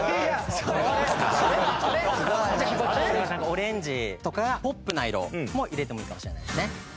オレンジとかポップな色も入れてもいいかもしれないですね。